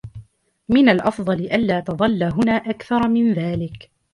من الأفضل ألا تظل هنا أكثر من ذلك.